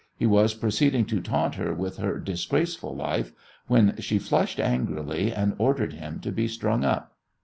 He was proceeding to taunt her with her disgraceful life, when she flushed angrily, and ordered him to be strung up.